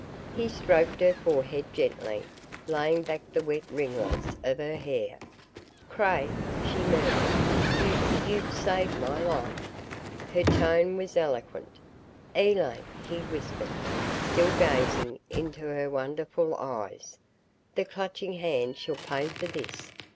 He stroked her forehead gently, laying back the wet ringlets of her hair. "Craig," she murmured, "you you've saved my life!" Her tone was eloquent. "Elaine," he whispered, still gazing into her wonderful eyes, "the Clutching Hand shall pay for this!